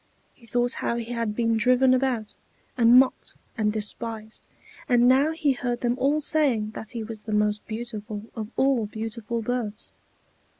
He thought how he had been driven about and mocked and despised; and now he heard them all saying that he was the most beautiful of all beautiful birds.